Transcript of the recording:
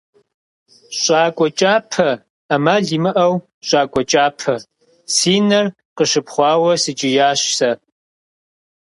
ЩӀакӀуэ кӀапэ! Ӏэмал имыӀэу, щӀакӀуэ кӀапэ! – си нэр къыщипхъуауэ сыкӀиящ сэ.